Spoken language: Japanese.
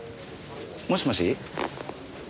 もしもし？